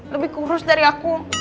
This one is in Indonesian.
lebih kurus dari aku